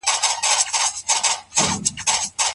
که ځوانان هڅه وکړي هر څه شو ني دي.